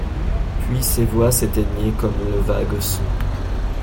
Puis ces voix s’éteignaient comme le vague son